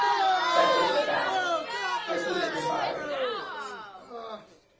"Such is the fact," repeated Defarge.